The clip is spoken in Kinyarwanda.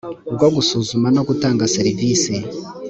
bwo gusuzuma no gutanga serivisi